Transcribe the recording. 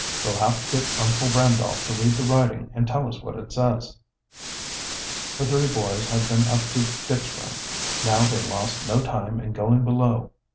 "We'll have to get Uncle Randolph to read the writing and tell us what it says." The three boys had been up to Dick's room. Now they lost no time in going below.